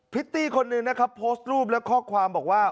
ิตตี้คนหนึ่งนะครับโพสต์รูปและข้อความบอกว่า